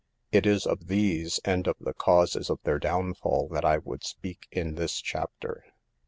It is of these and of the causes of their downfall that I would speak in this chapter.